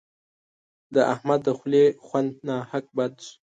د احمد د خولې خوند ناحق بد سو.